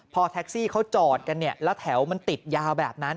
พอแท็กซี่เขาจอดกันเนี่ยแล้วแถวมันติดยาวแบบนั้น